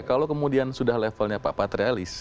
kalau kemudian sudah levelnya pak patrialis